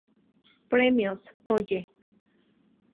Premios Oye!